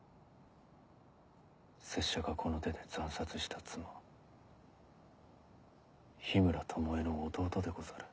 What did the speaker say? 拙者がこの手で斬殺した妻緋村巴の弟でござる。